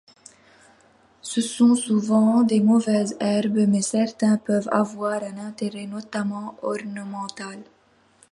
Ce sont souvent des mauvaises herbes, mais certaines peuvent avoir un intérêt, notamment ornemental.